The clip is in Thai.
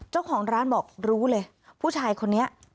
เจ้าของร้านบอกรู้เลยผู้ชายคนนี้